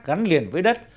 gắn liền với đất